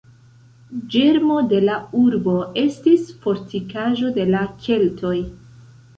Ĝermo de la urbo estis fortikaĵo de la keltoj.